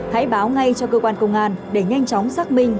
hãy báo ngay cho cơ quan công an để nhanh chóng xác minh